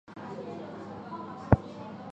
现任东森新闻台主播。